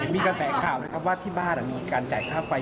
มีกระแสข่าวนะครับว่าที่บ้านมีการจ่ายค่าไฟ